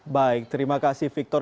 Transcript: baik terima kasih victor